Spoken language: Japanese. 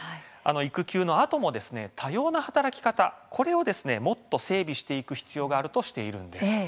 育休のあとも多様な働き方をもっと整備していく必要があるとしています。